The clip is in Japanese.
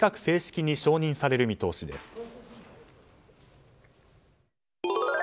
近く正式に承認される見通しです。